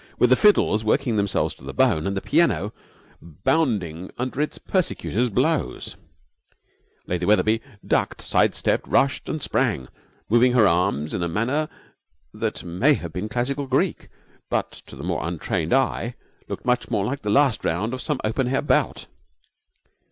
With the fiddles working themselves to the bone and the piano bounding under its persecutor's blows, Lady Wetherby ducked, side stepped, rushed, and sprang, moving her arms in a manner that may have been classical Greek, but to the untrained eye looked much more like the last round of some open air bout.